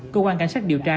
cơ quan cảnh sát điều tra